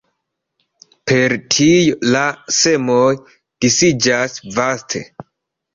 Per tio la semoj disiĝas vaste.